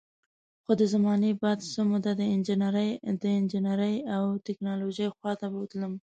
خو د زمانې باد څه موده د انجینرۍ او ټیکنالوژۍ خوا ته بوتلم